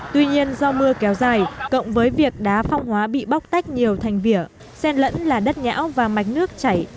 tuy nhiên do mưa kéo dài cộng với việc đá phong hóa bị bóc tách nhiều thành vỉa sen lẫn là đất nhão và mạch nước chảy